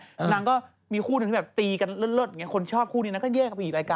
นางก็มีคู่หนึ่งที่แบบตีกันเลิศคนชอบคู่นี้แล้วก็แยกกลับไปอีกรายการ